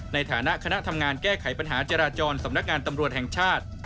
ในฐานะคณะทำงานแก้ไขปัญหาจราจรสำนักงานตำรวจแห่งชาติ